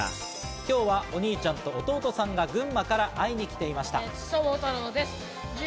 今日はお兄ちゃんと弟さんが群馬から会いに来ていました。